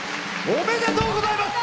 おめでとうございます。